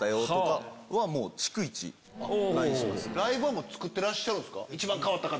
ライブは作ってらっしゃるんですか。